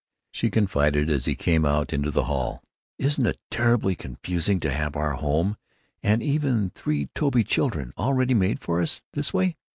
She confided as he came out into the hall, "Isn't it terribly confusing to have our home and even three toby children all ready made for us, this way!"